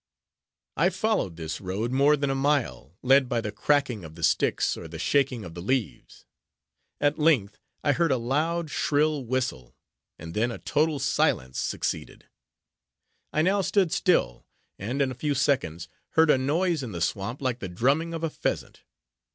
I followed this road more than a mile, led by the cracking of the sticks, or the shaking of the leaves. At length, I heard a loud, shrill whistle, and then a total silence succeeded. I now stood still, and in a few seconds, heard a noise in the swamp like the drumming of a pheasant.